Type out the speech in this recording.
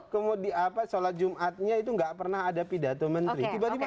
kemudian sholat jumatnya itu nggak pernah ada pidato menteri